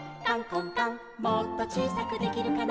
「もっとちいさくできるかな」